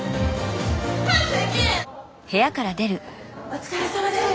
お疲れさまです。